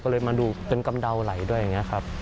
ก็เลยมาดูจนกำเดาไหลด้วยอย่างนี้ครับ